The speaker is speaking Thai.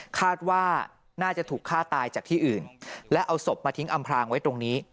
คาดว่าน่าจะถูกฆ่าตายจากที่อื่นและเอาศพมาทิ้งอำพลางไว้ตรงนี้